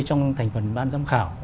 trong thành phần ban giám khảo